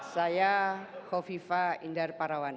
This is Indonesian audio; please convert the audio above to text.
saya kofifa indad parawan